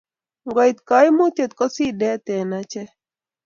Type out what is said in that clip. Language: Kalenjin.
ngo it kaimutiet ko sidet ing' achek